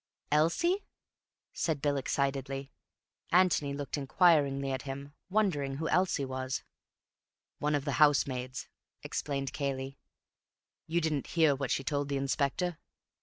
"Elsie?" said Bill excitedly. Antony looked inquiringly at him, wondering who Elsie was. "One of the housemaids," explained Cayley. "You didn't hear what she told the Inspector?